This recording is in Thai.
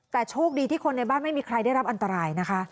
แต่โชคดีที่คนในบ้านไม่มีใครได้รับอันตรายนะคะ